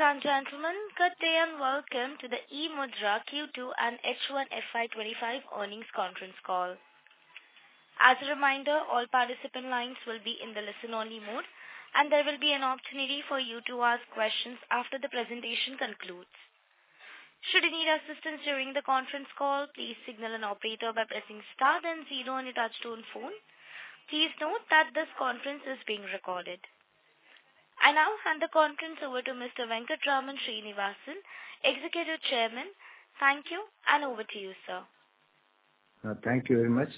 Ladies and gentlemen, good day and welcome to the eMudhra Q2 and H1 FY twenty-five earnings conference call. As a reminder, all participant lines will be in the listen-only mode, and there will be an opportunity for you to ask questions after the presentation concludes. Should you need assistance during the conference call, please signal an operator by pressing star then zero on your touchtone phone. Please note that this conference is being recorded. I now hand the conference over to Mr. Venkatraman Srinivasan, Executive Chairman. Thank you, and over to you, sir. Thank you very much.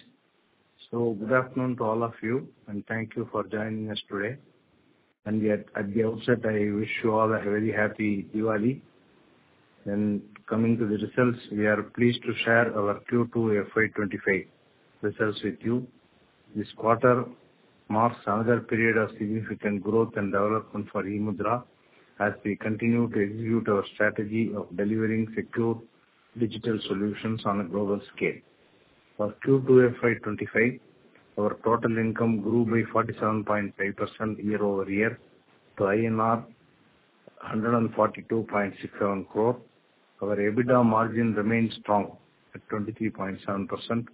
Good afternoon to all of you, and thank you for joining us today. Yet, at the outset, I wish you all a very happy Diwali. Coming to the results, we are pleased to share our Q2 FY 2025 results with you. This quarter marks another period of significant growth and development for eMudhra, as we continue to execute our strategy of delivering secure digital solutions on a global scale. For Q2 FY 2025, our total income grew by 47.5% year-over-year to INR 142.67 crore. Our EBITDA margin remained strong at 23.7%,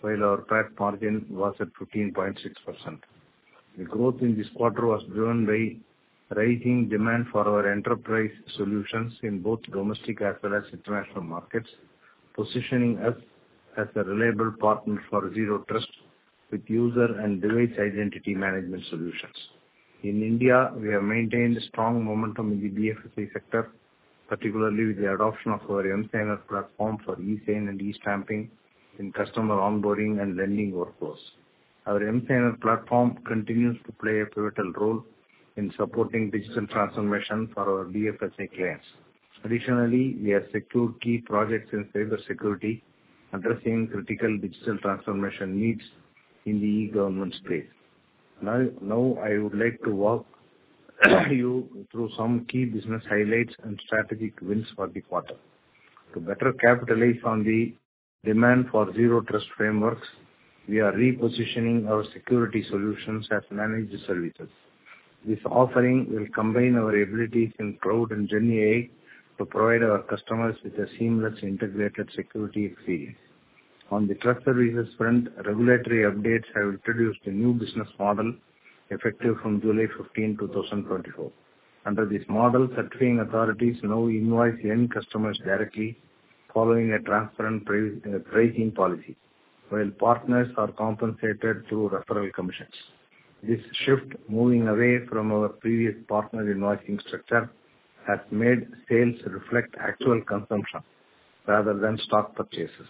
while our PAT margin was at 15.6%. The growth in this quarter was driven by rising demand for our enterprise solutions in both domestic as well as international markets, positioning us as a reliable partner for Zero Trust with user and device identity management solutions. In India, we have maintained strong momentum in the BFSI sector, particularly with the adoption of our emSigner platform for e-Sign and e-Stamping in customer onboarding and lending workflows. Our emSigner platform continues to play a pivotal role in supporting digital transformation for our BFSI clients. Additionally, we have secured key projects in cybersecurity, addressing critical digital transformation needs in the e-Government space. Now, I would like to walk you through some key business highlights and strategic wins for the quarter. To better capitalize on the demand for zero-trust frameworks, we are repositioning our security solutions as Managed Services. This offering will combine our abilities in cloud and GenAI to provide our customers with a seamless, integrated security experience. On the trust services front, regulatory updates have introduced a new business model effective from July fifteen, two thousand twenty-four. Under this model, certifying authorities now invoice end customers directly, following a transparent pricing policy, while partners are compensated through referral commissions. This shift, moving away from our previous partner invoicing structure, has made sales reflect actual consumption rather than stock purchases.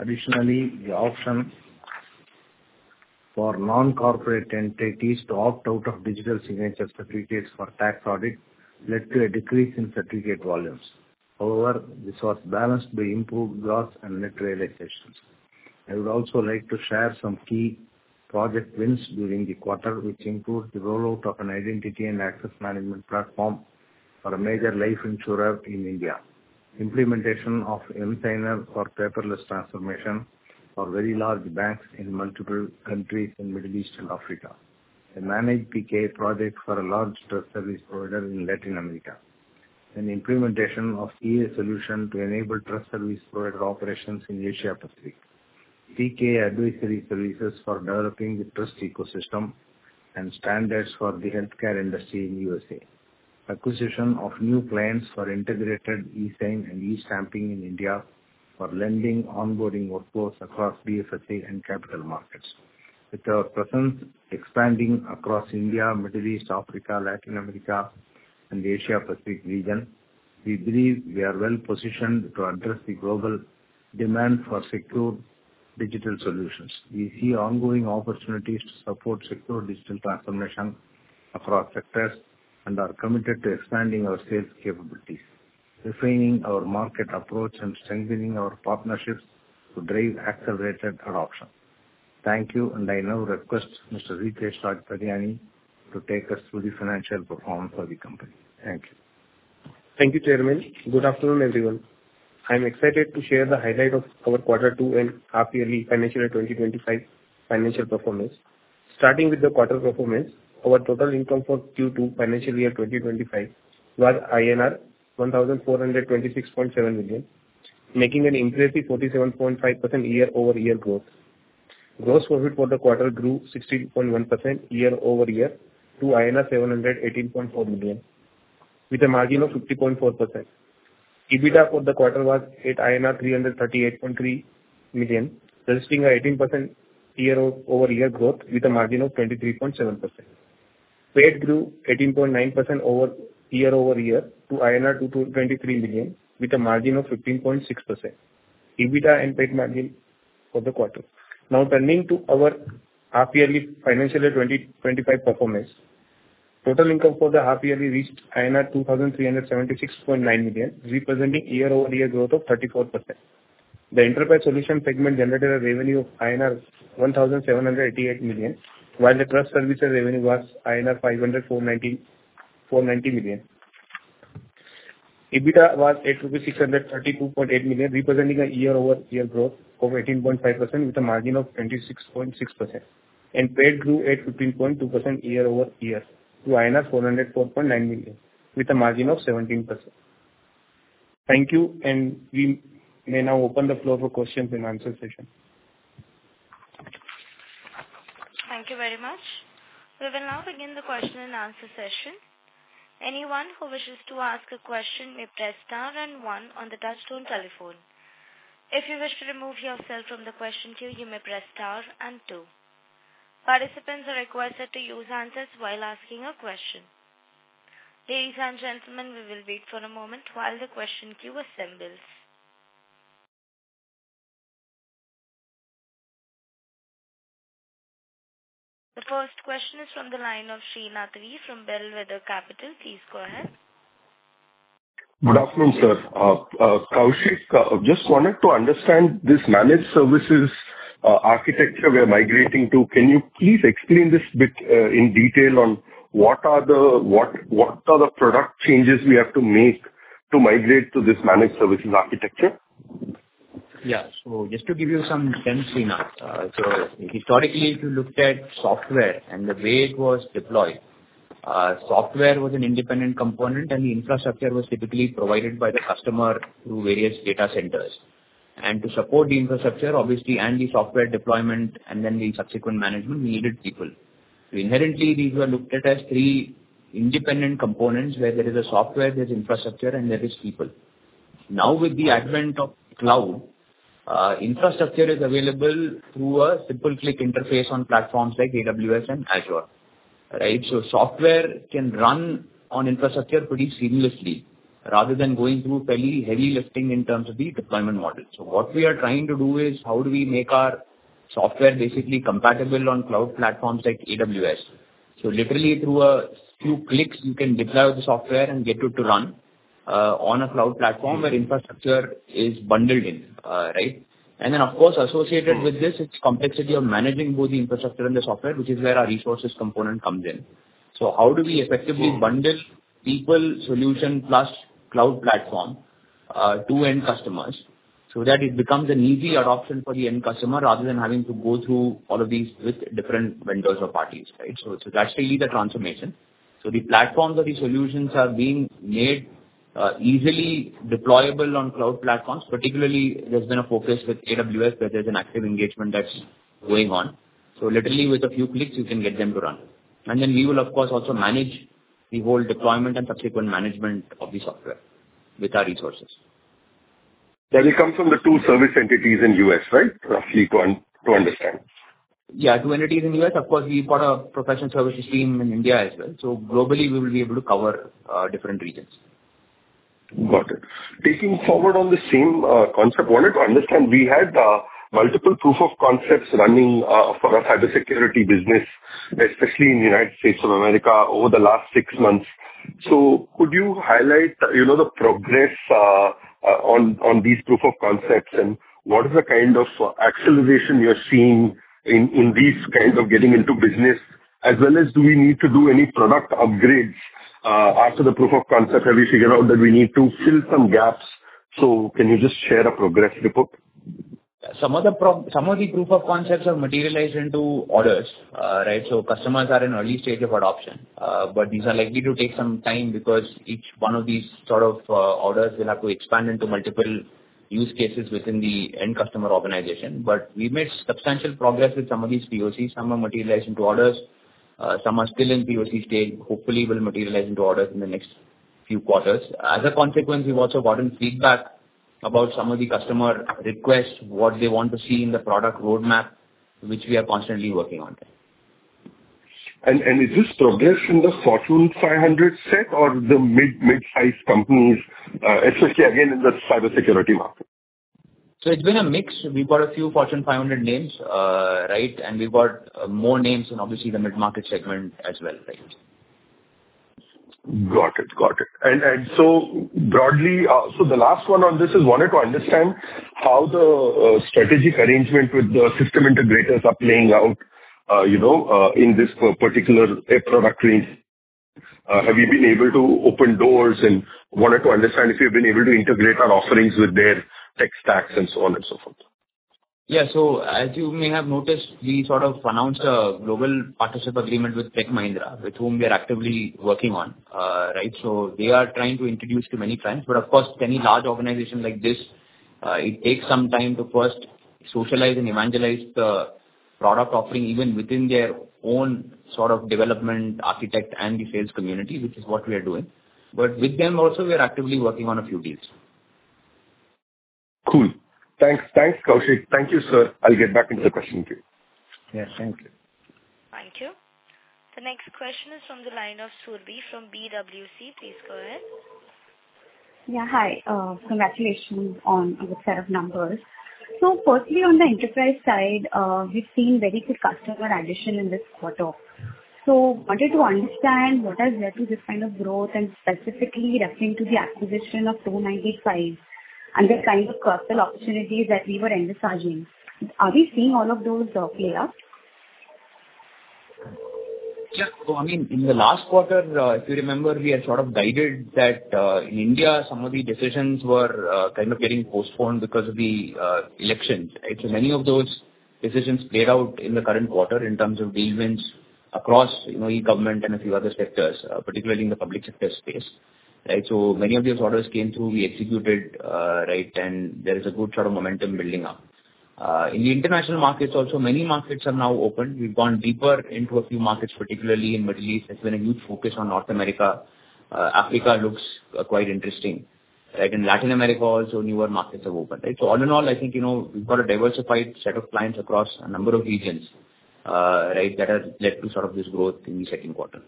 Additionally, the option for non-corporate entities to opt out of digital signature certificates for tax audit led to a decrease in certificate volumes. However, this was balanced by improved gross and net realizations. I would also like to share some key project wins during the quarter, which include the rollout of an identity and access management platform for a major life insurer in India, implementation of emSigner for paperless transformation for very large banks in multiple countries in Middle East and Africa, a managed PKI project for a large trust service provider in Latin America, an implementation of CA solution to enable trust service provider operations in Asia Pacific, PKI advisory services for developing the trust ecosystem and standards for the healthcare industry in USA, acquisition of new clients for integrated e-sign and e-stamping in India for lending onboarding workflows across BFSI and capital markets. With our presence expanding across India, Middle East, Africa, Latin America, and Asia Pacific region, we believe we are well positioned to address the global demand for secure digital solutions. We see ongoing opportunities to support secure digital transformation across sectors, and are committed to expanding our sales capabilities, refining our market approach, and strengthening our partnerships to drive accelerated adoption. Thank you, and I now request Mr. Rakesh Satpudar to take us through the financial performance of the company. Thank you. Thank you, Chairman. Good afternoon, everyone. I'm excited to share the highlight of our quarter 2 and half-yearly financial year 2025 financial performance. Starting with the quarter performance, our total income for Q2 financial year 2025 was INR 1,426.7 million, making an impressive 47.5% year-over-year growth. Gross profit for the quarter grew 16.1% year-over-year to INR 718.4 million, with a margin of 50.4%. EBITDA for the quarter was at INR 338.3 million, registering an 18% year-over-year growth with a margin of 23.7%. PAT grew 18.9% year-over-year to INR 223 million with a margin of 15.6%. EBITDA and PAT margin for the quarter. Now turning to our half-yearly financial year 2025 performance. Total income for the half year reached INR 2,376.9 million, representing year-over-year growth of 34%. The enterprise solution segment generated a revenue of INR 1,788 million, while the trust services revenue was INR 589 million.... EBITDA was at 632.8 million, representing a year-over-year growth of 18.5%, with a margin of 26.6%. PAT grew at 15.2% year-over-year to INR 404.9 million, with a margin of 17%. Thank you, and we may now open the floor for questions and answer session. Thank you very much. We will now begin the question and answer session. Anyone who wishes to ask a question may press star and one on the touchtone telephone. If you wish to remove yourself from the question queue, you may press star and two. Participants are requested to use a handset while asking a question. Ladies and gentlemen, we will wait for a moment while the question queue assembles. The first question is from the line of Sreenath V. from Bellwether Capital. Please go ahead. Good afternoon, sir. Kaushik, just wanted to understand this managed services architecture we are migrating to. Can you please explain this bit in detail on what are the product changes we have to make to migrate to this managed services architecture? Yeah. So just to give you some sense, Sreenath. So historically, if you looked at software and the way it was deployed, software was an independent component, and the infrastructure was typically provided by the customer through various data centers. And to support the infrastructure, obviously, and the software deployment and then the subsequent management, we needed people. So inherently, these were looked at as three independent components, where there is a software, there's infrastructure, and there is people. Now, with the advent of cloud, infrastructure is available through a simple-click interface on platforms like AWS and Azure, right? So software can run on infrastructure pretty seamlessly, rather than going through fairly heavy lifting in terms of the deployment model. So what we are trying to do is how do we make our software basically compatible on cloud platforms like AWS? So, literally through few clicks, you can deploy the software and get it to run on a cloud platform where infrastructure is bundled in, right? And then, of course, associated with this, it's complexity of managing both the infrastructure and the software, which is where our resources component comes in. So, how do we effectively bundle people solution plus cloud platform to end customers, so that it becomes an easy adoption for the end customer, rather than having to go through all of these with different vendors or parties, right? So, so that's really the transformation. So, the platforms or the solutions are being made easily deployable on cloud platforms. Particularly, there's been a focus with AWS, where there's an active engagement that's going on. So, literally with a few clicks, you can get them to run. We will of course also manage the whole deployment and subsequent management of the software with our resources. Then it comes from the two service entities in U.S., right? Roughly to understand. Yeah, two entities in U.S. Of course, we've got a professional services team in India as well. So globally, we will be able to cover different regions. Got it. Taking forward on the same concept, wanted to understand, we had multiple proof of concepts running for our cybersecurity business, especially in the United States of America over the last six months. So could you highlight, you know, the progress on these proof of concepts, and what is the kind of acceleration you're seeing in these kinds of getting into business, as well as, do we need to do any product upgrades after the proof of concept? Have you figured out that we need to fill some gaps? So can you just share a progress report? Some of the proof of concepts have materialized into orders, right? So customers are in early stage of adoption, but these are likely to take some time because each one of these sort of orders will have to expand into multiple use cases within the end customer organization. But we made substantial progress with some of these POCs. Some are materialized into orders, some are still in POC stage, hopefully will materialize into orders in the next few quarters. As a consequence, we've also gotten feedback about some of the customer requests, what they want to see in the product roadmap, which we are constantly working on. Is this progress in the Fortune 500 set or the mid-size companies, especially again in the cybersecurity market? So it's been a mix. We've got a few Fortune 500 names, right? And we've got more names in obviously the mid-market segment as well, right. Got it. And so broadly, so the last one on this is wanted to understand how the strategic arrangement with the system integrators are playing out, you know, in this particular product range. Have you been able to open doors? And wanted to understand if you've been able to integrate our offerings with their tech stacks and so on and so forth. Yeah. So as you may have noticed, we sort of announced a global partnership agreement with Tech Mahindra, with whom we are actively working on, right? So they are trying to introduce to many clients, but of course, any large organization like this, it takes some time to first socialize and evangelize the product offering, even within their own sort of development, architect, and the sales community, which is what we are doing. But with them also, we are actively working on a few deals. Cool. Thanks. Thanks, Kaushik. Thank you, sir. I'll get back into the question queue. Yeah, thank you. Thank you. The next question is from the line of Surbhi from B&K Securities. Please go ahead. Yeah, hi. Congratulations on the set of numbers. So firstly, on the enterprise side, we've seen very good customer addition in this quarter. So wanted to understand what has led to this kind of growth, and specifically referring to the acquisition of Two95 and the kind of cross-sell opportunities that we were emphasizing. Are we seeing all of those play out?... Yeah, so I mean, in the last quarter, if you remember, we had sort of guided that, in India, some of the decisions were, kind of getting postponed because of the, elections, right? So many of those decisions played out in the current quarter in terms of deal wins across, you know, e-government and a few other sectors, particularly in the public sector space, right? So many of these orders came through, we executed, right, and there is a good sort of momentum building up. In the international markets also, many markets are now open. We've gone deeper into a few markets, particularly in Middle East. There's been a huge focus on North America. Africa looks, quite interesting, right? In Latin America also, newer markets have opened, right? So all in all, I think, you know, we've got a diversified set of clients across a number of regions, right, that have led to sort of this growth in the second quarter.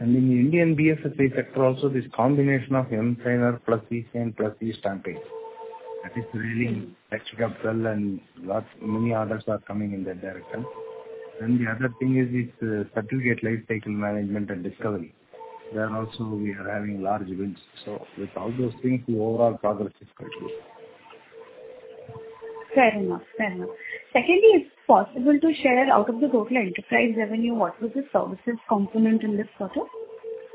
In the Indian BFSI sector also, this combination of emSigner plus e-Sign plus e-Stamping is really catching up well and many orders are coming in that direction. Then the other thing is it's certificate lifecycle management and discovery. There also we are having large wins. So with all those things, the overall progress is quite good. Fair enough. Fair enough. Secondly, is it possible to share out of the total enterprise revenue, what was the services component in this quarter?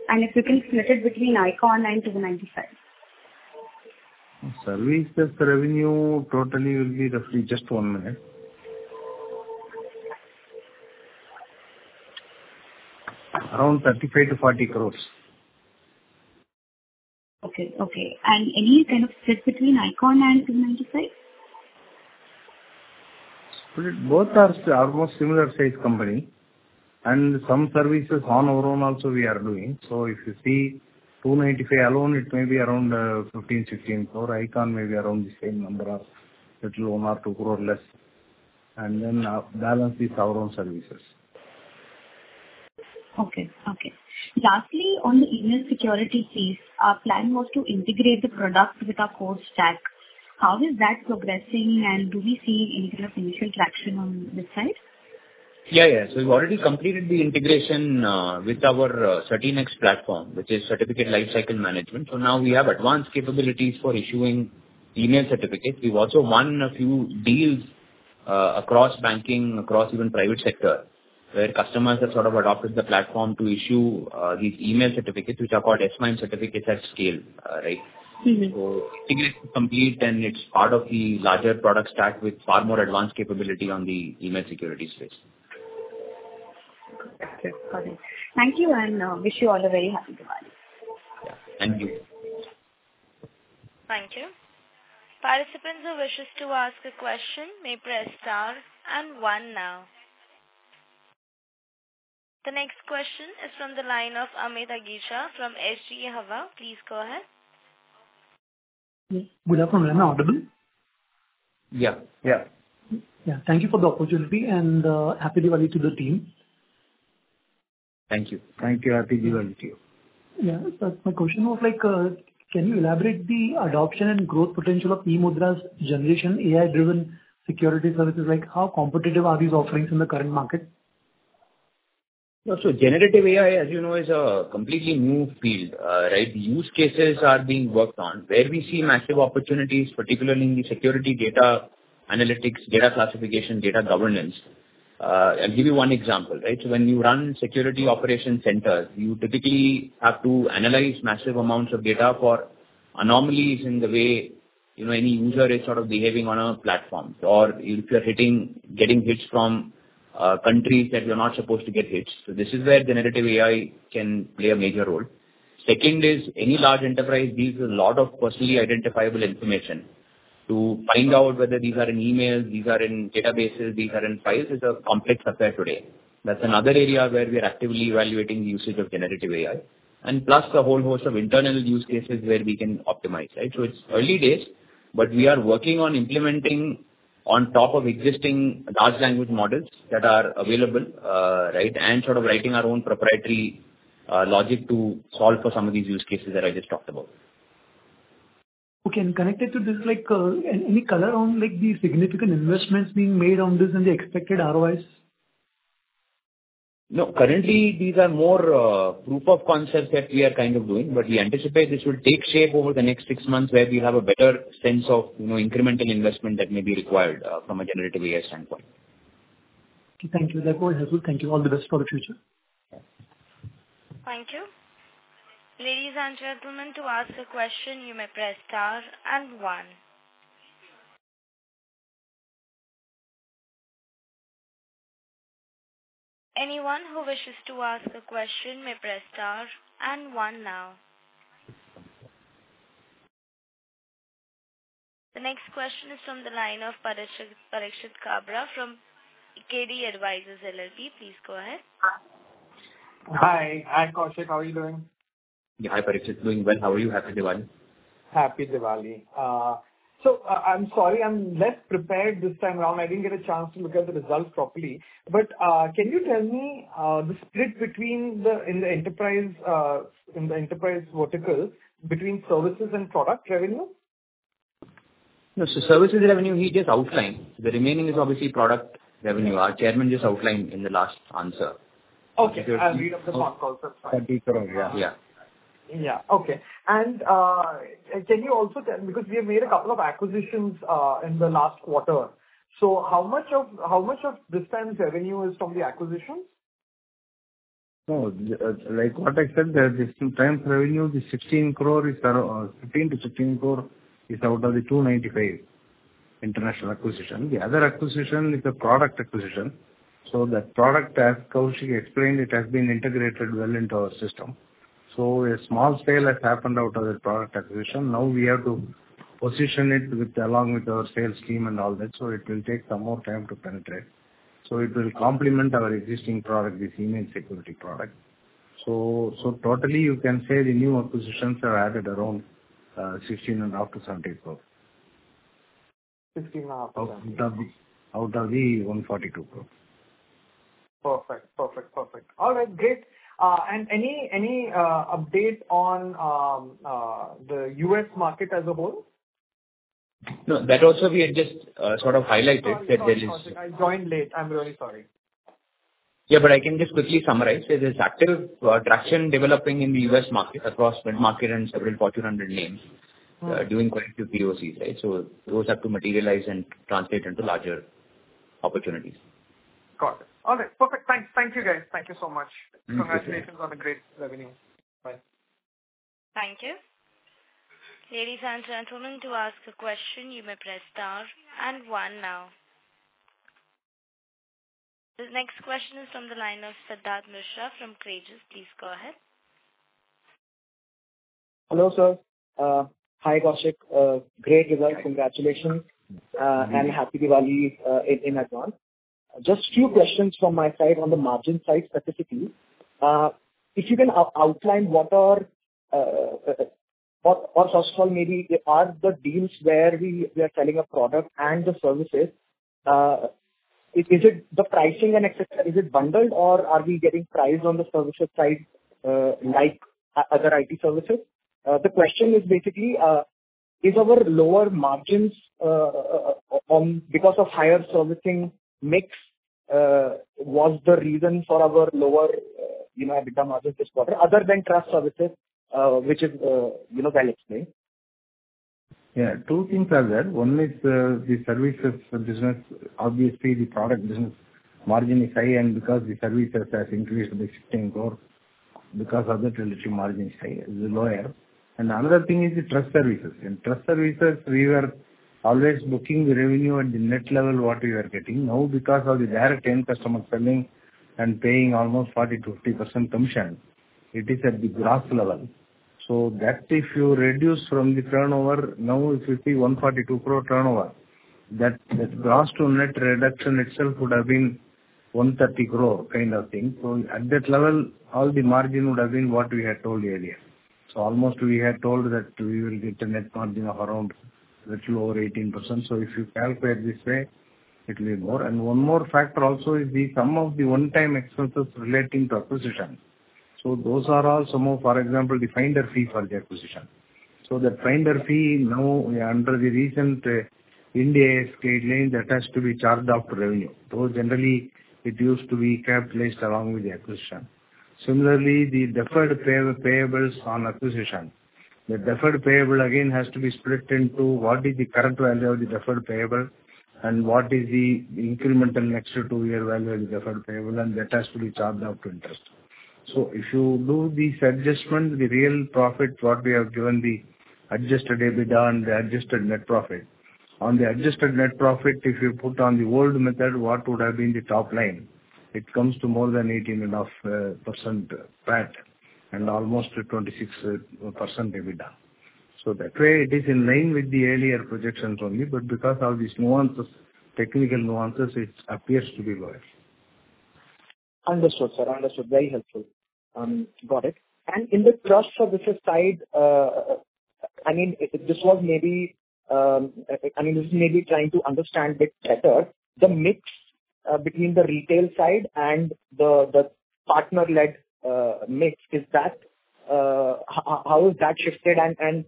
And if you can split it between Ikon and Two95. Services revenue totally will be roughly. Just one minute. Around INR 35-40 crores. Okay. Okay. And any kind of split between Ikon and Two95? Both are almost similar size company, and some services on our own also we are doing. So if you see Two95 alone, it may be around 15-16 crore. Ikon may be around the same number or little one or two crore less, and then balance is our own services. Okay. Okay. Lastly, on the email security piece, our plan was to integrate the product with our core stack. How is that progressing, and do we see any kind of initial traction on this side? Yeah, yeah. So we've already completed the integration with our emDiscovery or CertiNext platform, which is certificate lifecycle management. So now we have advanced capabilities for issuing email certificates. We've also won a few deals across banking, across even private sector, where customers have sort of adopted the platform to issue these email certificates, which are called S/MIME certificates, at scale, right. Mm-hmm. So, integration complete, and it's part of the larger product stack with far more advanced capability on the email security space. Okay, got it. Thank you, and wish you all a very happy Diwali! Yeah. Thank you. Thank you. Participants who wishes to ask a question may press Star and one now. The next question is from the line of Amit Agicha from H.G. Hawa. Please go ahead. Good afternoon. Am I audible? Yeah, yeah. Yeah. Thank you for the opportunity and, happy Diwali to the team. Thank you. Thank you. Happy Diwali to you. Yeah. So my question was like, can you elaborate the adoption and growth potential of eMudhra's Generative AI-driven security services? Like, how competitive are these offerings in the current market? Yeah, so Generative AI, as you know, is a completely new field, right? Use cases are being worked on. Where we see massive opportunities, particularly in the security data analytics, data classification, data governance. I'll give you one example, right? So when you run Security Operations Centers, you typically have to analyze massive amounts of data for anomalies in the way, you know, any user is sort of behaving on a platform, or if you're hitting, getting hits from countries that you're not supposed to get hits. So this is where Generative AI can play a major role. Second is, any large enterprise deals with a lot of personally identifiable information. To find out whether these are in emails, these are in databases, these are in files, is a complex affair today. That's another area where we are actively evaluating the usage of generative AI, and plus a whole host of internal use cases where we can optimize, right? So it's early days, but we are working on implementing on top of existing large language models that are available, right, and sort of writing our own proprietary, logic to solve for some of these use cases that I just talked about. Okay, and connected to this, like, any color on, like, the significant investments being made on this and the expected ROIs? No, currently these are more proof of concepts that we are kind of doing, but we anticipate this will take shape over the next six months, where we'll have a better sense of, you know, incremental investment that may be required from a generative AI standpoint. Okay. Thank you. That was helpful. Thank you. All the best for the future. Thank you. Ladies and gentlemen, to ask a question, you may press Star and one. Anyone who wishes to ask a question may press Star and one now. The next question is from the line of Parikshit Kabra from Pkeday Advisors LLP. Please go ahead. Hi. Hi, Kaushik, how are you doing? Hi, Parikshit. Doing well. How are you? Happy Diwali. Happy Diwali. So, I'm sorry I'm less prepared this time around. I didn't get a chance to look at the results properly. But, can you tell me the split between the, in the enterprise, in the enterprise verticals, between services and product revenue? No, so services revenue, he just outlined. The remaining is obviously product revenue. Our chairman just outlined in the last answer. Okay, I'll read up the call also. 30 crore, yeah. Yeah.... Yeah. Okay. And, can you also tell, because we have made a couple of acquisitions, in the last quarter, so how much of, how much of this time's revenue is from the acquisitions? No, like what I said, the, this time's revenue, the 16 crore is, 15-16 crore is out of the Two95 International acquisition. The other acquisition is a product acquisition, so that product, as Kaushik explained, it has been integrated well into our system. So a small scale has happened out of the product acquisition. Now we have to position it with, along with our sales team and all that, so it will take some more time to penetrate. So it will complement our existing product, this email security product. So totally, you can say the new acquisitions have added around 16.5-17 crore. 16 and a half- Out of the 142 crore. Perfect, perfect, perfect. All right, great. And any update on the U.S. market as a whole? No, that also we had just, sort of highlighted that there is- Sorry, I joined late. I'm really sorry. Yeah, but I can just quickly summarize. There is active traction developing in the U.S. market across mid-market and several Fortune 100 names, doing corrective POCs, right? So those have to materialize and translate into larger opportunities. Got it. Okay, perfect. Thanks. Thank you, guys. Thank you so much. Mm-hmm. Congratulations on the great revenue. Bye. Thank you. Ladies and gentlemen, to ask a question, you may press star and one now. The next question is from the line of Siddharth Mishra from Creaegis. Please go ahead. Hello, sir. Hi, Kaushik. Great result. Congratulations. Thank you. - and Happy Diwali, in advance. Just few questions from my side on the margin side specifically. If you can outline what are... Or, first of all, maybe, are the deals where we are selling a product and the services, is it the pricing and et cetera, is it bundled, or are we getting priced on the services side, like other IT services? The question is basically, is our lower margins on because of higher servicing mix was the reason for our lower EBITDA margin this quarter, other than trust services, which is, you know, well explained. Yeah, two things are there. One is the services business. Obviously, the product business margin is high, and because the services has increased to 16 crore, because of that the margin is high, is lower. And the other thing is the trust services. In trust services, we were always booking the revenue at the net level, what we are getting. Now, because of the direct end customer coming and paying almost 40%-50% commission, it is at the gross level. So that if you reduce from the turnover, now if you see 142 crore turnover, that gross to net reduction itself would have been 130 crore, kind of thing. So at that level, all the margin would have been what we had told earlier. So almost we had told that we will get a net margin of around little over 18%. If you calculate this way, it will be more. And one more factor also is the sum of the one-time expenses relating to acquisition. So those are all somehow, for example, the finder fee for the acquisition. So the finder fee now under the recent India guidelines, that has to be charged off to revenue, though generally it used to be capitalized along with the acquisition. Similarly, the deferred payables on acquisition. The deferred payable again, has to be split into what is the current value of the deferred payable, and what is the incremental next two-year value of the deferred payable, and that has to be charged off to interest. So if you do these adjustments, the real profit, what we have given, the adjusted EBITDA and the adjusted net profit. On the adjusted net profit, if you put on the old method, what would have been the top line? It comes to more than 18.5% PAT, and almost 26% EBITDA. So that way it is in line with the earlier projections only, but because of these nuances, technical nuances, it appears to be lower. Understood, sir. Understood. Very helpful. Got it. And in the trust services side, I mean, this was maybe, I mean, this may be trying to understand bit better, the mix, between the retail side and the, the partner-led, mix, is that... How, how is that shifted? And,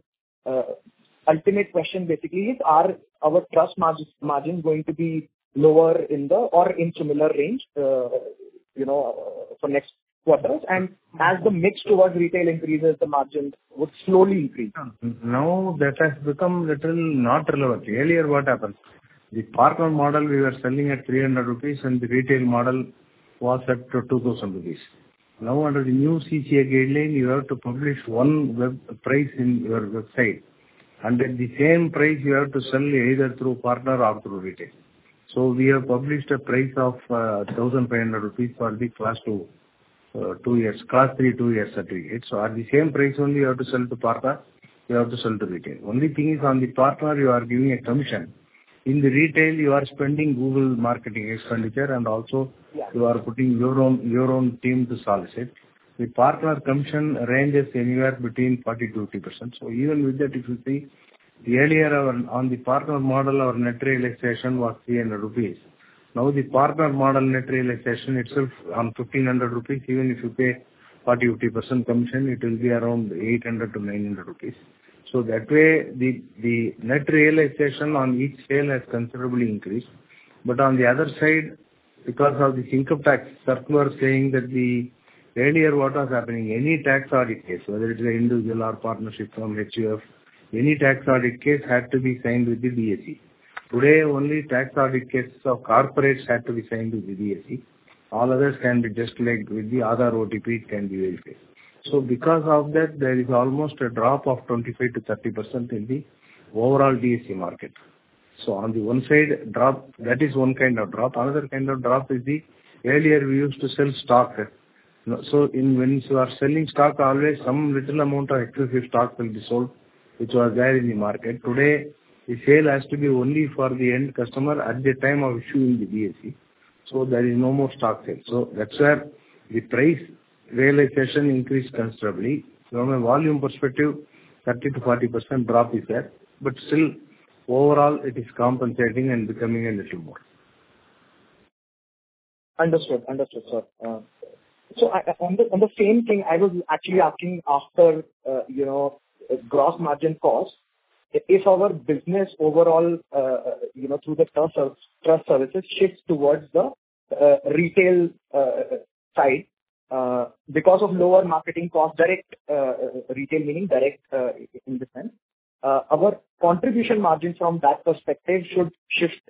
ultimate question basically is, are our trust margins, margin going to be lower in the or in similar range, you know, for next quarters? And as the mix towards retail increases, the margins would slowly increase. Now, that has become literally not relevant. Earlier, what happened? The partner model, we were selling at 300 rupees, and the retail model was at 2,000 rupees. Now, under the new CCA guideline, you have to publish one web price in your website, and at the same price, you have to sell either through partner or through retail. So we have published a price of 1,500 rupees for the class two, two years, class three, two years certificate. So at the same price only, you have to sell to partner, you have to sell to retail. Only thing is, on the partner, you are giving a commission. In the retail, you are spending Google marketing expenditure, and also- Yeah. You are putting your own, your own team to sell it. The partner commission ranges anywhere between 40%-50%. So even with that, if you see, earlier our, on the partner model, our net realization was 300 rupees. Now, the partner model net realization itself on 1,500 rupees, even if you pay 40%-50% commission, it will be around 800-900 rupees. So that way, the net realization on each sale has considerably increased. But on the other side, because of the income tax circular saying that the earlier what was happening, any tax audit case, whether it is an individual or partnership firm, HUF, any tax audit case had to be signed with the DSC. Today, only tax audit cases of corporates have to be signed with the DSC. All others can be just like with the Aadhaar OTP, it can be verified. So because of that, there is almost a drop of 25%-30% in the overall DSC market. So on the one side, drop, that is one kind of drop. Another kind of drop is the earlier we used to sell stock. So in when you are selling stock, always some little amount of excessive stock will be sold, which was there in the market. Today, the sale has to be only for the end customer at the time of issuing the DSC, so there is no more stock sale. So that's where the price realization increased considerably. From a volume perspective, 30%-40% drop is there, but still, overall it is compensating and becoming a little more. Understood. Understood, sir, so I, on the same thing, I was actually asking after, you know, gross margin cost, if our business overall, you know, through the trust services shifts towards the retail side, because of lower marketing cost, direct retail, meaning direct, in the sense, our contribution margin from that perspective should shift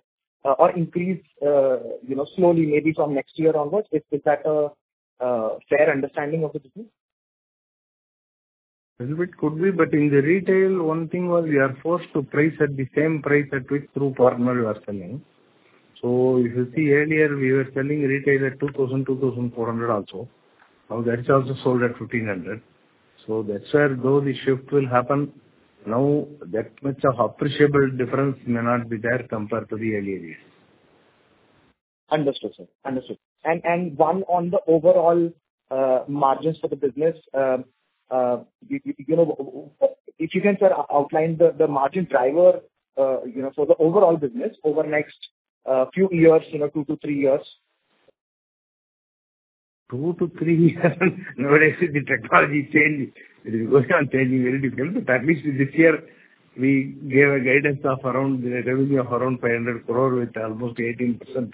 or increase, you know, slowly, maybe from next year onwards. Is that a fair understanding of the business? little bit could be, but in the retail, one thing was we are forced to price at the same price at which through partner we are selling. So if you see earlier, we were selling retail at 2,000, 2,400 also. Now, that's also sold at 1,500. So that's where though the shift will happen, now, that much of appreciable difference may not be there compared to the earlier years. Understood, sir. Understood. And one on the overall margins for the business, you know, if you can, sir, outline the margin driver, you know, for the overall business over the next few years, you know, two to three years. Two to three years? Nowadays, the technology change, it is going on changing very difficult. But that means this year we gave a guidance of around the revenue of around 500 crore, with almost 18%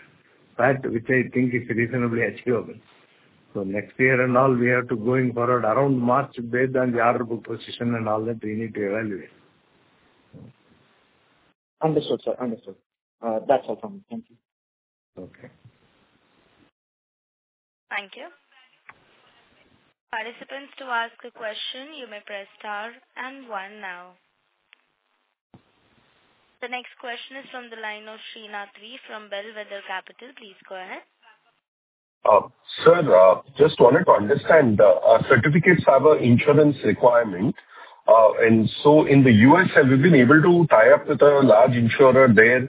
VAT, which I think is reasonably achievable. So next year and all, we have to go in forward around March based on the order book position and all that we need to evaluate. Understood, sir. Understood. That's all from me. Thank you. Okay. Thank you. Participants, to ask a question, you may press star and one now. The next question is from the line of Sreenath V. from Bellwether Capital. Please go ahead. Sir, just wanted to understand, our certificates have an insurance requirement, and so in the U.S., have you been able to tie up with a large insurer there?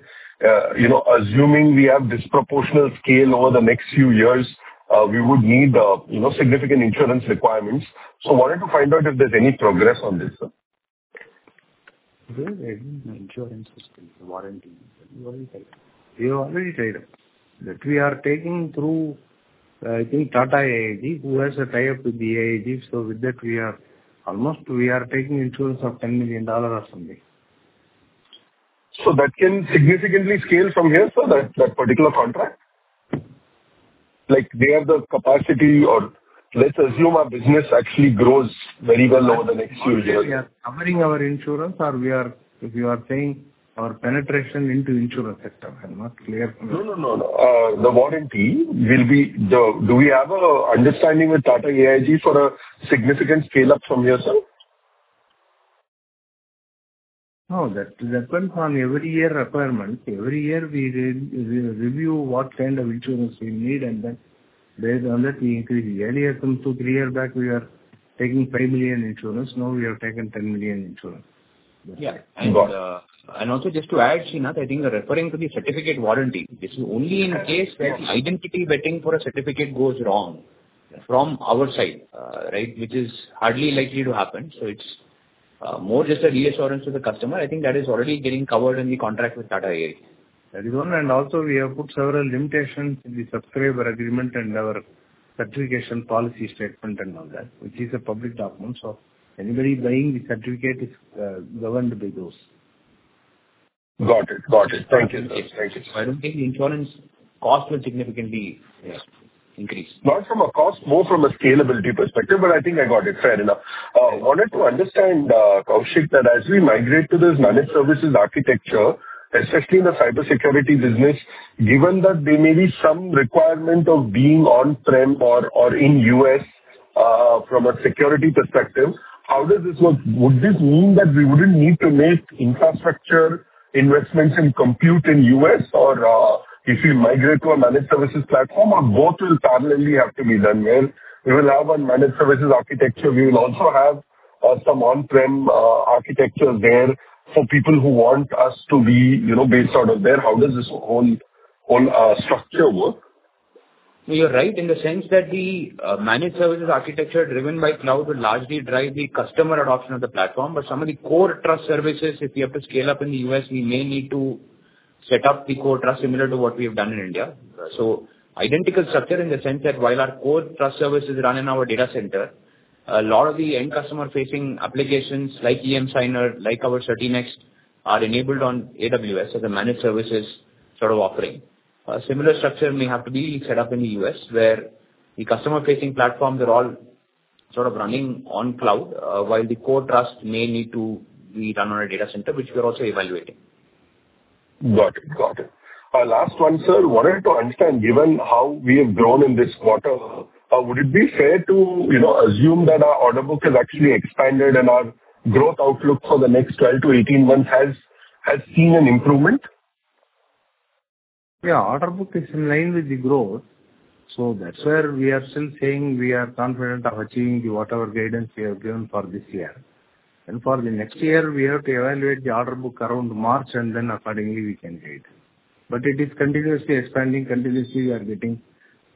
You know, assuming we have disproportionate scale over the next few years, we would need, you know, significant insurance requirements, so wanted to find out if there's any progress on this, sir. Very, very insurance is warranty. We already tried. We already tried that. We are taking through, I think Tata AIG, who has a tie-up with the AIG. So with that, we are almost, we are taking insurance of $10 million or something. So that can significantly scale from here, sir, that particular contract? Like, they have the capacity or let's assume our business actually grows very well over the next few years. We are covering our insurance, or we are... If you are saying our penetration into insurance sector, I'm not clear. No, no, no. The warranty will be. Do we have an understanding with Tata AIG for a significant scale-up from here, sir? No, that depends on every year requirement. Every year we re-review what kind of insurance we need, and then based on that, we increase. Earlier, from two, three years back, we are taking $5 million insurance. Now, we have taken $10 million insurance. Yeah. Got it. And also just to add, Sreenath, I think you're referring to the certificate warranty. This is only in case where identity vetting for a certificate goes wrong from our side, right, which is hardly likely to happen. So it's more just a reassurance to the customer. I think that is already getting covered in the contract with Tata AIG. That is one, and also we have put several limitations in the subscriber agreement and our certification policy statement and all that, which is a public document, so anybody buying the certificate is governed by those. Got it, got it. Thank you, sir. Thank you, sir. I don't think the insurance cost will significantly, yeah, increase. Not from a cost, more from a scalability perspective, but I think I got it. Fair enough. Wanted to understand, Kaushik, that as we migrate to this managed services architecture, especially in the cybersecurity business, given that there may be some requirement of being on-prem or in U.S., from a security perspective, how does this work? Would this mean that we wouldn't need to make infrastructure investments in compute in U.S., or if we migrate to a managed services platform, or both will parallelly have to be done? Where we will have a managed services architecture, we will also have some on-prem architectures there for people who want us to be, you know, based out of there. How does this whole structure work? You're right in the sense that the managed services architecture driven by cloud will largely drive the customer adoption of the platform. But some of the core trust services, if we have to scale up in the US, we may need to set up the core trust, similar to what we have done in India. Right. So identical structure in the sense that while our core trust services run in our data center-... A lot of the end customer-facing applications like emSigner, like our emDiscovery or CertiNext, are enabled on AWS as a managed services sort of offering. A similar structure may have to be set up in the U.S., where the customer-facing platforms are all sort of running on cloud, while the core tasks may need to be done on a data center, which we are also evaluating. Got it. Got it. Last one, sir. Wanted to understand, given how we have grown in this quarter, would it be fair to, you know, assume that our order book has actually expanded and our growth outlook for the next 12-18 months has seen an improvement? Yeah, order book is in line with the growth, so that's where we are still saying we are confident of achieving what our guidance we have given for this year. And for the next year, we have to evaluate the order book around March, and then accordingly we can guide. But it is continuously expanding, continuously we are getting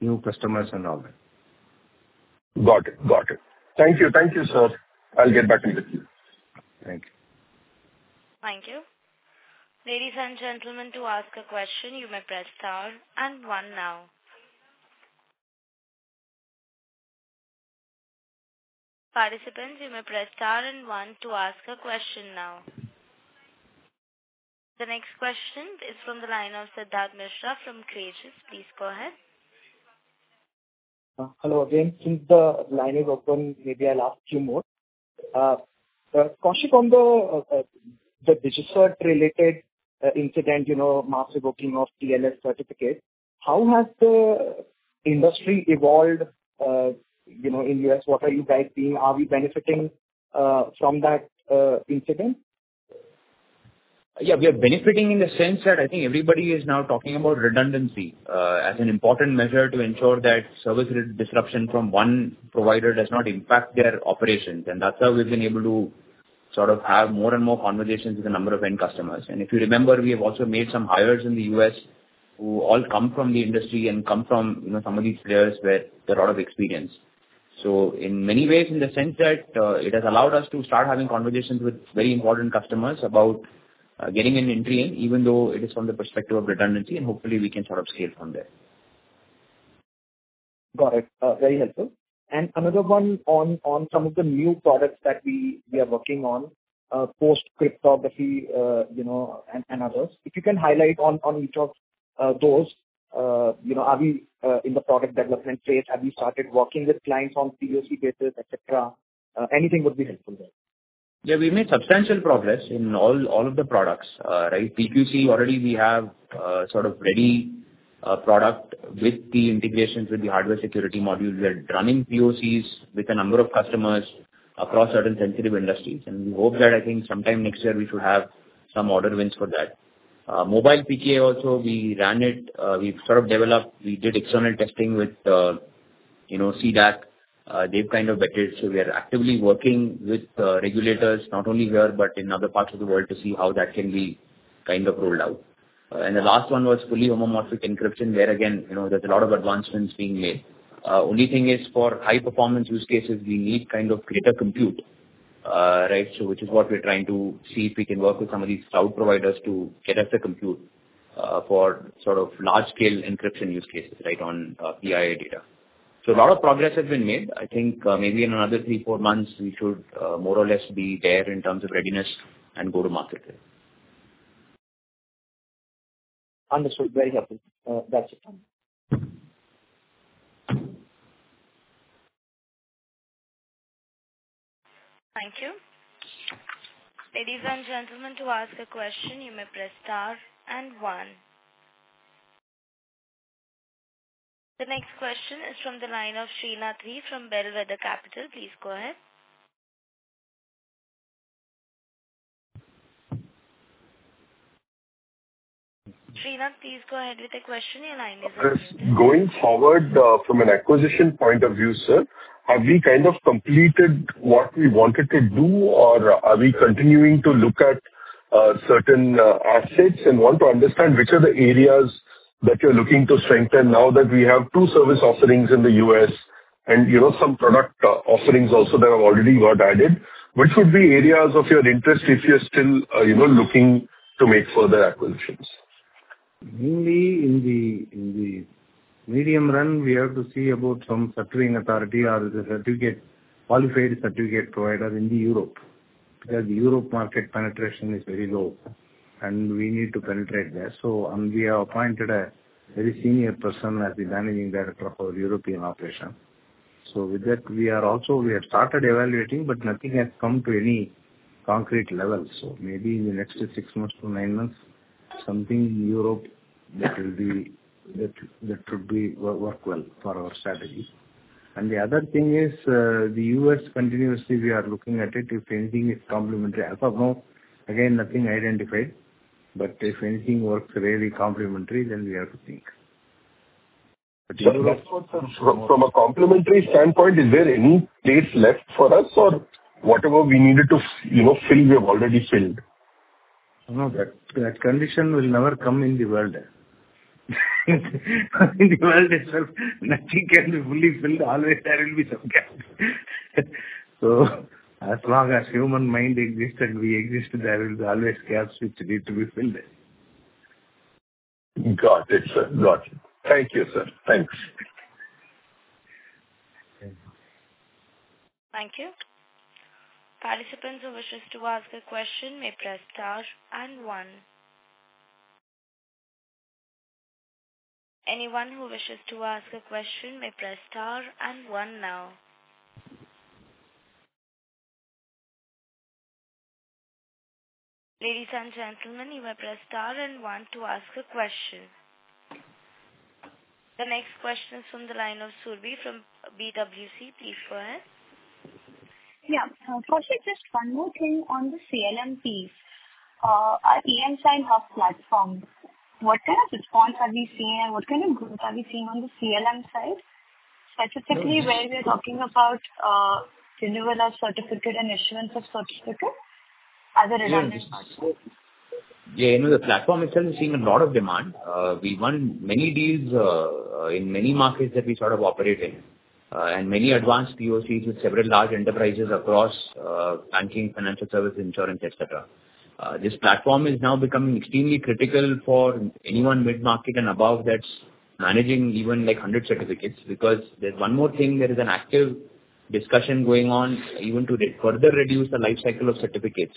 new customers and all that. Got it. Got it. Thank you. Thank you, sir. I'll get back with you. Thank you. Thank you. Ladies and gentlemen, to ask a question, you may press star and one now. Participants, you may press star and one to ask a question now. The next question is from the line of Siddharth Mishra from Creaegis. Please go ahead. Hello again. Since the line is open, maybe I'll ask you more. Kaushik, on the DigiCert related incident, you know, massive booking of TLS certificate, how has the industry evolved, you know, in U.S.? What are you guys seeing? Are we benefiting from that incident? Yeah, we are benefiting in the sense that I think everybody is now talking about redundancy as an important measure to ensure that service disruption from one provider does not impact their operations. And that's how we've been able to sort of have more and more conversations with a number of end customers. And if you remember, we have also made some hires in the U.S. who all come from the industry and come from, you know, some of these players with a lot of experience. So in many ways, in the sense that it has allowed us to start having conversations with very important customers about getting an entry in, even though it is from the perspective of redundancy, and hopefully we can sort of scale from there. Got it. Very helpful. And another one on some of the new products that we are working on, post-quantum cryptography, you know, and others. If you can highlight on each of those, you know, are we in the product development phase? Have you started working with clients on POC basis, et cetera? Anything would be helpful there. Yeah, we've made substantial progress in all, all of the products, right? PQC, already we have sort of ready product with the integrations with the hardware security module. We are running POCs with a number of customers across certain sensitive industries, and we hope that I think sometime next year we should have some order wins for that. Mobile PKI also, we ran it, we've sort of developed. We did external testing with, you know, C-DAC. They've kind of vetted, so we are actively working with regulators, not only here but in other parts of the world, to see how that can be kind of rolled out. And the last one was Fully Homomorphic Encryption, where, again, you know, there's a lot of advancements being made. Only thing is for high-performance use cases, we need kind of greater compute, right? Which is what we're trying to see if we can work with some of these cloud providers to get us a compute for sort of large-scale encryption use cases, right, on PII data. A lot of progress has been made. I think, maybe in another three, four months, we should more or less be there in terms of readiness and go to market there. Understood. Very helpful. That's it. Thank you. Ladies and gentlemen, to ask a question, you may press star and one. The next question is from the line of Sreenath V. from Bellwether Capital. Please go ahead. Sreenath, please go ahead with your question. Your line is open. Going forward, from an acquisition point of view, sir, have we kind of completed what we wanted to do, or are we continuing to look at certain assets? And want to understand which are the areas that you're looking to strengthen now that we have two service offerings in the US and, you know, some product offerings also that have already got added. Which would be areas of your interest if you're still, you know, looking to make further acquisitions? Mainly in the medium run, we have to see about some certifying authority or the certificate-qualified certificate provider in Europe. Because the Europe market penetration is very low, and we need to penetrate there. We have appointed a very senior person as the managing director of our European operation. With that, we have started evaluating, but nothing has come to any concrete level. Maybe in the next six months to nine months, something Europe that will be, that should be, work well for our strategy. And the other thing is, the U.S. continuously we are looking at it, if anything is complementary. As of now, again, nothing identified, but if anything works really complementary, then we have to think. But from a complementary standpoint, is there any place left for us or whatever we needed to, you know, fill, we have already filled? No, that condition will never come in the world. In the world, nothing can be fully filled. Always there will be some gap. So as long as human mind exists and we exist, there will be always gaps which need to be filled. Got it, sir. Got it. Thank you, sir. Thanks! Thank you. Participants who wishes to ask a question may press star and one. Anyone who wishes to ask a question may press star and one now. Ladies and gentlemen, you may press star and one to ask a question. The next question is from the line of Surbhi from B&K Securities. Yeah, firstly, just one more thing on the CLM piece. Our emSigner platform, what kind of response are we seeing and what kind of growth are we seeing on the CLM side? Specifically, where we are talking about, renewal of certificate and issuance of certificate as a redundant part. Yeah, you know, the platform itself is seeing a lot of demand. We won many deals in many markets that we sort of operate in, and many advanced POCs with several large enterprises across banking, financial services, insurance, et cetera. This platform is now becoming extremely critical for anyone mid-market and above that's managing even, like, hundred certificates. Because there's one more thing, there is an active discussion going on even to further reduce the life cycle of certificates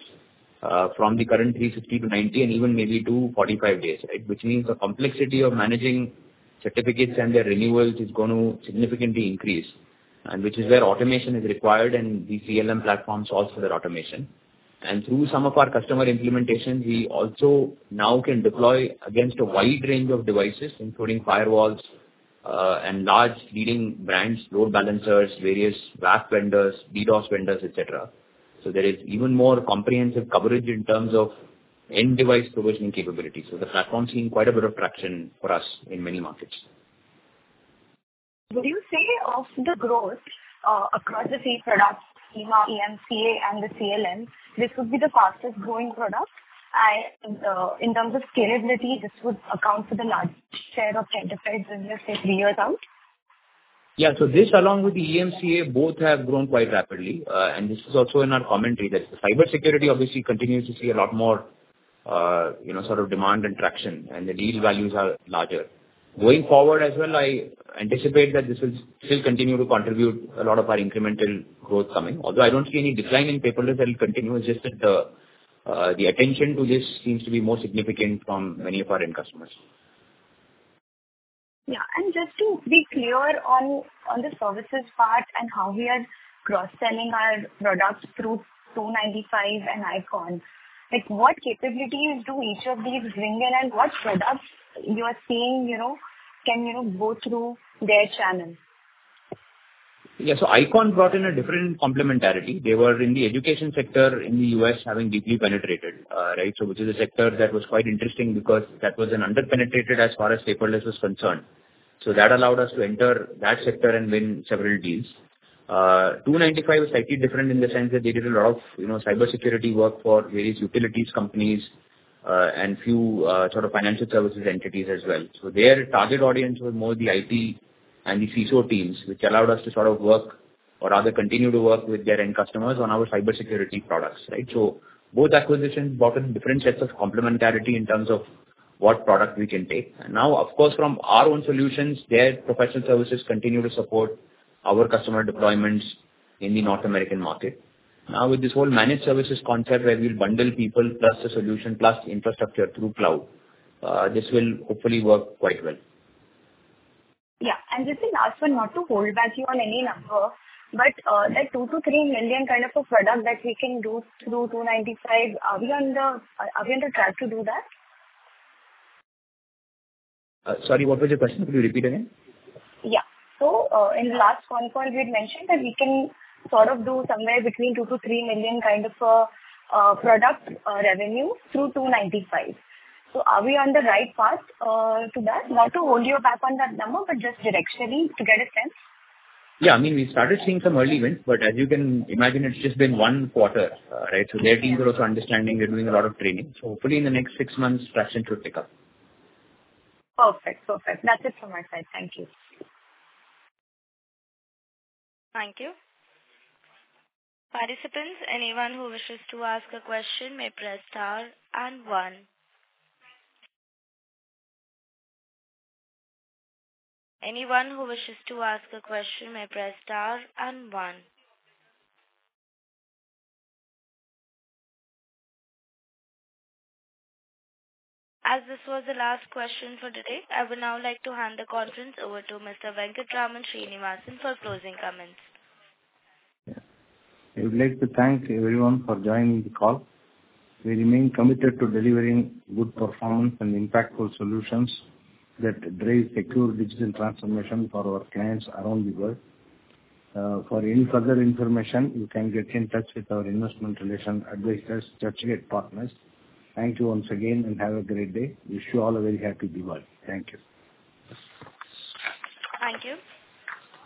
from the current three sixty to ninety, and even maybe to forty-five days, right? Which means the complexity of managing certificates and their renewals is going to significantly increase, and which is where automation is required, and the CLM platform solves for that automation. Through some of our customer implementations, we also now can deploy against a wide range of devices, including firewalls, and large leading brands, load balancers, various WAF vendors, DDoS vendors, et cetera. So there is even more comprehensive coverage in terms of end device provisioning capabilities. So the platform is seeing quite a bit of traction for us in many markets. Would you say of the growth, across the three products, emAS, emCA, and the CLM, this would be the fastest growing product? And, in terms of scalability, this would account for the largest share of certificates in, let's say, three years out? Yeah. So this, along with the emCA, both have grown quite rapidly. And this is also in our commentary, that the cybersecurity obviously continues to see a lot more, you know, sort of demand and traction, and the deal values are larger. Going forward as well, I anticipate that this will still continue to contribute a lot of our incremental growth coming. Although I don't see any decline in paperless, that will continue. It's just that, the attention to this seems to be more significant from many of our end customers. Yeah, and just to be clear on the services part and how we are cross-selling our products through Two95 and Ikon. Like, what capabilities do each of these bring in, and what products you are seeing, you know, can, you know, go through their channels? Yeah. So Ikon brought in a different complementarity. They were in the education sector in the US, having deeply penetrated, right? So which is a sector that was quite interesting because that was an under-penetrated as far as paperless was concerned. So that allowed us to enter that sector and win several deals. Two95 is slightly different in the sense that they did a lot of, you know, cybersecurity work for various utilities companies, and few, sort of financial services entities as well. So their target audience was more the IT and the CISO teams, which allowed us to sort of work or rather continue to work with their end customers on our cybersecurity products, right? So both acquisitions brought in different sets of complementarity in terms of what product we can take. Now, of course, from our own solutions, their professional services continue to support our customer deployments in the North American market. Now, with this whole managed services concept, where we'll bundle people, plus the solution, plus infrastructure through cloud, this will hopefully work quite well. Yeah, and just a last one, not to hold back you on any number, but that $2-3 million kind of a product that we can do through Two95, are we on the track to do that? Sorry, what was your question? Could you repeat again? Yeah. So, in the last conference we had mentioned that we can sort of do somewhere between $2-$3 million kind of product revenue through Two95. So are we on the right path to that? Not to hold you back on that number, but just directionally, to get a sense. Yeah, I mean, we started seeing some early wins, but as you can imagine, it's just been one quarter, right? So their teams are also understanding, they're doing a lot of training. So hopefully in the next six months, traction should pick up. Perfect. Perfect. That's it from my side. Thank you. Thank you. Participants, anyone who wishes to ask a question may press star and one. Anyone who wishes to ask a question may press star and one. As this was the last question for today, I would now like to hand the conference over to Mr. Venkatraman Srinivasan for closing comments. I would like to thank everyone for joining the call. We remain committed to delivering good performance and impactful solutions that drive secure digital transformation for our clients around the world. For any further information, you can get in touch with our investment relation advisors, Churchgate Partners. Thank you once again, and have a great day. Wish you all a very happy Diwali. Thank you. Thank you.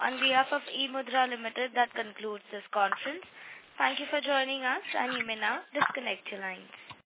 On behalf of eMudhra Limited, that concludes this conference. Thank you for joining us, and you may now disconnect your lines.